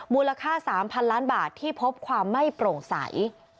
มูลค่า๓๐๐๐ล้านบาทที่พบความไม่โปร่งใส